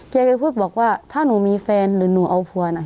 แกก็พูดบอกว่าถ้าหนูมีแฟนหรือหนูเอาผัวนะ